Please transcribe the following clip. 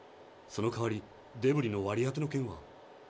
そのかわりデブリの割り当ての件は。